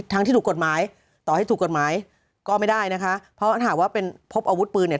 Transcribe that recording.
ที่ถูกกฎหมายต่อให้ถูกกฎหมายก็ไม่ได้นะคะเพราะถ้าหากว่าเป็นพบอาวุธปืนเนี่ย